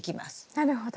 なるほど。